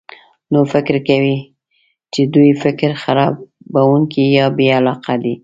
نور فکر کوي چې دوی فکر خرابونکي یا بې علاقه دي.